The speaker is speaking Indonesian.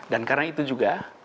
dan karena itu juga